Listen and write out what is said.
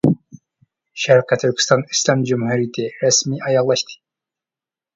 «شەرقىي تۈركىستان ئىسلام جۇمھۇرىيىتى» رەسمىي ئاياغلاشتى.